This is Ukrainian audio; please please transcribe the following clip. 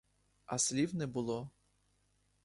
А слів не було.